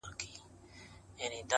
ه ياره په ژړا نه کيږي،